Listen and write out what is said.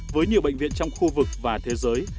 với nhiều bệnh viện trong khu vực và thế giới